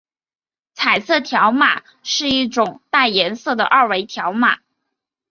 彩色条码是一种带颜色的二维条码。